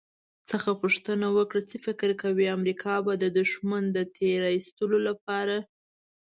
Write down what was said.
څخه پوښتنه وکړه «څه فکر کوئ، امریکا به د دښمن د تیرایستلو لپاره»